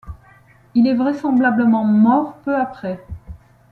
Il est vraisemblablement mort peu après.